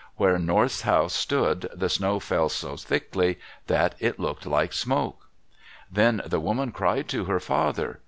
Where North's house stood the snow fell so thickly that it looked like smoke. Then the woman cried to her father.